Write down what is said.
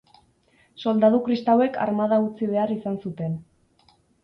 Soldadu kristauek armada utzi behar izan zuten.